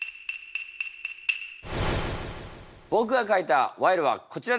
ぼくが書いた賄賂はこちらです！